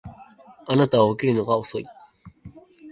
あなたは起きるのが遅い